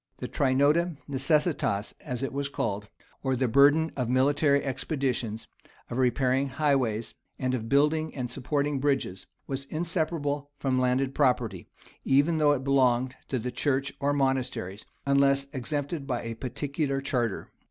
The "trinoda necessitas," as it was called, or the burden of military expeditions, of repairing highways, and of building and supporting bridges, was inseparable from landed property, even though it belonged to the church or monasteries, unless exempted by a particular charter.